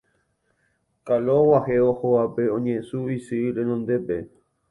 Kalo og̃uahẽvo hógape oñesũ isy renondépe